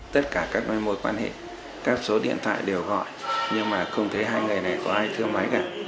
tất cả các mối mối quan hệ các số điện thoại đều gọi nhưng mà không thấy hai người này có ai thưa máy cả